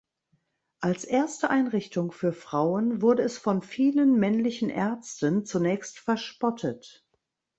Als erste Einrichtung für Frauen wurde es von vielen männlichen Ärzten zunächst verspottet.